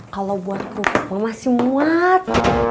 kalau buat kerupuk masih muat